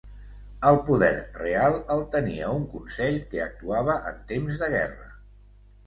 El poder real el tenia un Consell que actuava en temps de guerra.